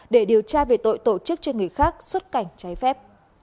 để điều tra về tội tổ chức cho người khác xuất cảnh trái phép